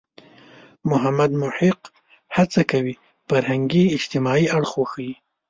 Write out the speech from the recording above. محمد محق هڅه کوي فرهنګي – اجتماعي اړخ وښيي.